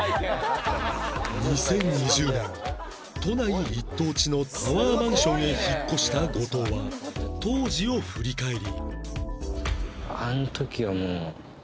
２０２０年都内一等地のタワーマンションへ引っ越した後藤は当時を振り返り